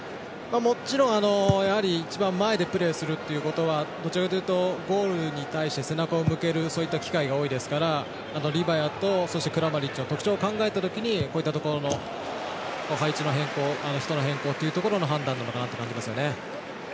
もちろん一番前でプレーするということはどちらかというとゴールに対して背中を向ける、そういった機会が多いですからリバヤとクラマリッチの特徴を考えたときにこういった配置の変更人の変更という判断なのかなと感じますよね。